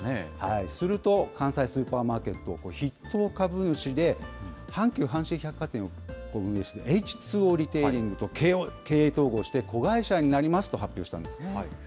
すると、関西スーパーマーケット、筆頭株主で、阪急阪神百貨店を運営しているエイチ・ツー・オーリテイリングと経営統合して、子会社になりますと発表したんですね。